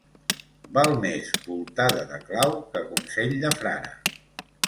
Val més voltada de clau que consell de frare.